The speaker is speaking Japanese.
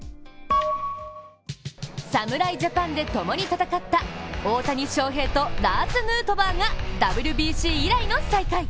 侍ジャパンでともに戦った大谷翔平とラーズ・ヌートバーがＷＢＣ以来の再会。